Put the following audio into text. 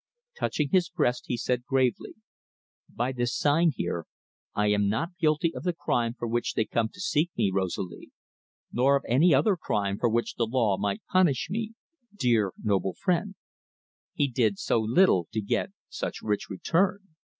Touching his breast, he said gravely: "By this sign here, I am not guilty of the crime for which they come to seek me, Rosalie. Nor of any other crime for which the law might punish me dear, noble friend." He did so little to get such rich return.